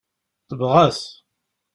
Tebɣa-t.